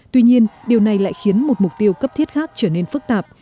tuy nhiên điều này lại khiến một mục tiêu cấp thiết khác trở nên phức tạp